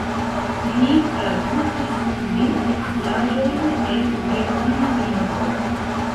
Li tradukis kvin teatraĵojn el germana lingvo.